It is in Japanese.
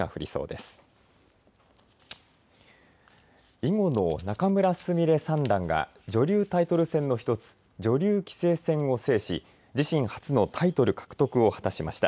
囲碁の仲邑菫三段が女流タイトル戦の１つ、女流棋聖戦を制し自身初のタイトル獲得を果たしました。